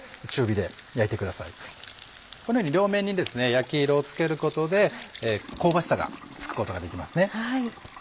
このように両面に焼き色をつけることで香ばしさがつくことができます。